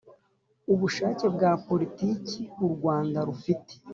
Ubushake bwa Politiki u Rwanda rufite